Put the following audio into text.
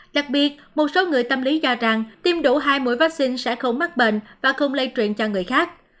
đặc biệt một số người tâm lý cho rằng tiêm đủ hai mũi vaccine sẽ không mắc bệnh và không lây truyền cho người khác